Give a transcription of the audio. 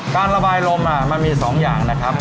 การระบายลมมันมี๒อย่างนะครับ